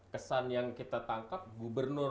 kesan yang kita tangkap gubernur